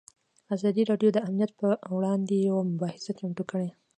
ازادي راډیو د امنیت پر وړاندې یوه مباحثه چمتو کړې.